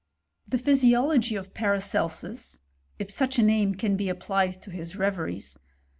The Physiology of Paracelsus (if such a name can he applied to his reveries).